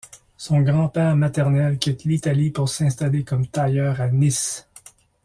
Son grand-père maternel quitte l'Italie pour s'installer comme tailleur à Nice.